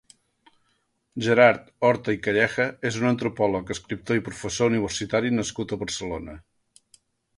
Gerard Horta i Calleja és un antropòleg, escriptor i professor universitari nascut a Barcelona.